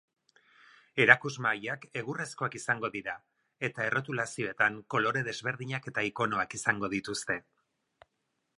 Erakusmahaiak egurrezkoak izango dira, eta errotulazioetan kolore desberdinak eta ikonoak izango dituzte.